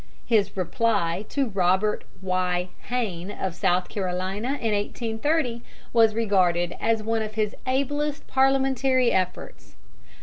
His reply to Robert Y. Hayne, of South Carolina, in 1830, was regarded as one of his ablest parliamentary efforts.